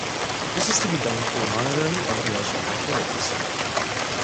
This is to be done through monitoring and prevention activities.